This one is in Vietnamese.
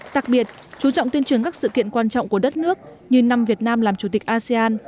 đặc biệt chú trọng tuyên truyền các sự kiện quan trọng của đất nước như năm việt nam làm chủ tịch asean